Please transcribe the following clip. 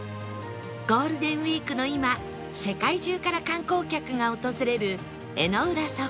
ゴールデンウィークの今世界中から観光客が訪れる江之浦測候所